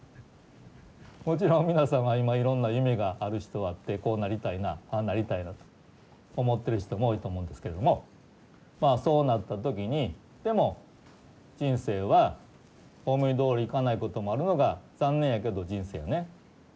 もちろん皆様は今いろんな夢がある人はあってこうなりたいなああなりたいなと思ってる人も多いと思うんですけれどもまあそうなった時にでも人生は思いどおりいかないこともあるのが残念やけど人生やね。